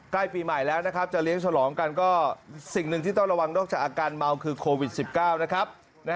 ใกล้ปีใหม่แล้วนะครับจะเลี้ยงฉลองกันก็สิ่งหนึ่งที่ต้องระวังนอกจากอาการเมาคือโควิด๑๙นะครับ